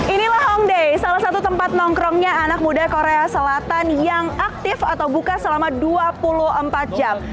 inilah hongday salah satu tempat nongkrongnya anak muda korea selatan yang aktif atau buka selama dua puluh empat jam